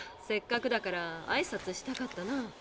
せっかくだからあいさつしたかったな。